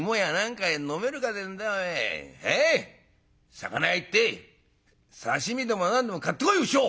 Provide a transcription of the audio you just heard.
魚屋行って刺身でも何でも買ってこいよ畜生！」。